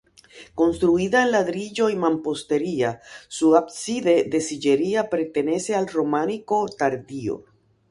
Construida en ladrillo y mampostería, su ábside de sillería pertenece al románico tardío.